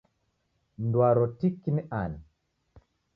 Mndu waro tiki ni ani?